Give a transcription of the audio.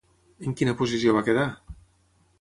En quina posició va quedar?